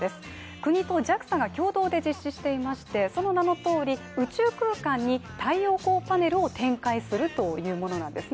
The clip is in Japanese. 国とＪＡＸＡが共同で実施していましてその名のとおり、宇宙空間に太陽光パネルを展開するというものなんです。